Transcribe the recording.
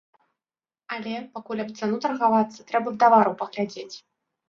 Але, пакуль аб цану таргавацца, трэба б тавару паглядзець.